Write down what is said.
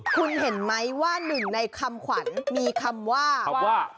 คุณเห็นไหมว่าหนึ่งในคำขวัญมีคำว่าว่า